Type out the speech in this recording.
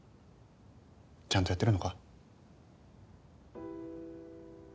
ちゃんとやってるのか？